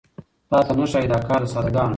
تاته نه ښايي دا کار د ساده ګانو